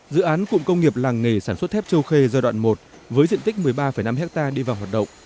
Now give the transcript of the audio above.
dự án cụm công nghiệp làng nghề sản xuất thép châu khê giai đoạn một với diện tích một mươi ba năm hectare đi vào hoạt động